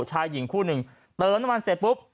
ชายหญิงคู่หนึ่งเติมน้ำมันเสร็จปุ๊บ